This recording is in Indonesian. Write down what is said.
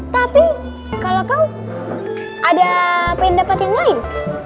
tapi kalau kau ada pengen dapat yang lain